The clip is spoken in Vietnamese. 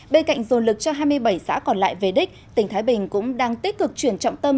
bên cạnh dồn lực cho hai mươi bảy xã còn lại về đích tỉnh thái bình cũng đang tích cực chuyển trọng tâm